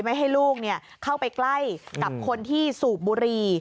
ไม่ให้ลูกเข้าไปใกล้กับคนที่สูบบุรี